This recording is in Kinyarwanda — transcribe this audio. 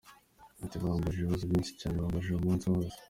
Ati “Bambajije ibibazo byinshi cyane, bambajije umunsi wose.